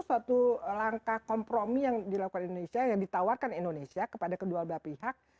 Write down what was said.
suatu langkah kompromi yang dilakukan indonesia yang ditawarkan indonesia kepada kedua belah pihak